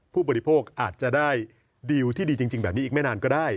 ผู้บริโภคอาจจะได้ดีลที่ดีจริงแบบนี้อีกไม่นานก็ได้